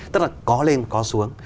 tức là có lên có xuống